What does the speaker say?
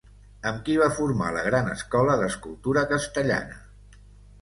Amb qui va formar la gran escola d'escultura castellana?